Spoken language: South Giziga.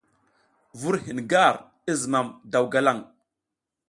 Vur hin gar i zimam daw galang.